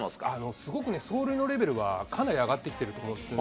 すごくね、走塁のレベルがかなり上がってきてると思うんですよね。